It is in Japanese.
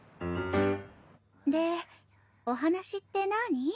でお話って何？